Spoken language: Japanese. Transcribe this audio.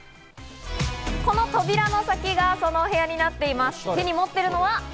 この扉の先がそのお部屋になっています。